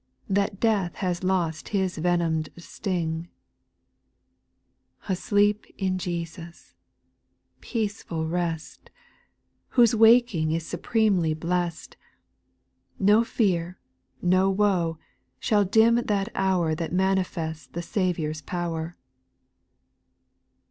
That Death has lost his venom'd sting I 3. Asleep in Jesus ! Peaceful rest I Whose waking is supremely blest : No fear, no woe, shall dim that hour That manifests the Saviour's power.